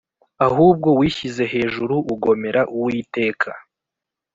ahubwo wishyize hejuru ugomera Uwiteka .